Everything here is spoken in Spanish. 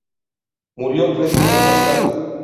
Murió tres días más tarde.